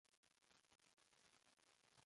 Ĝi ne havas oficialan tekston.